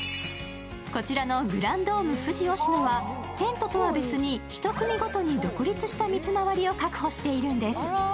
こちらのグランドーム富士忍野はテントとは別に１組ごとに独立した水回りを確保しているんです。